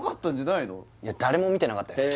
いや誰も見てなかったです